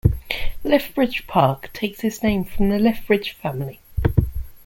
Lethbridge Park takes its name from the Lethbridge family.